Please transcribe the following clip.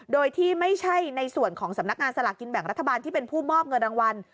โดยที่ไม่ใช่ในส่วนของสำนักงานสลากกินแบ่งรัฐบาลที่เป็นผู้มอบเงินรางวัล